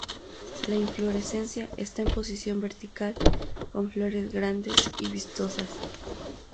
La inflorescencia está en posición vertical, con flores grandes y vistosas.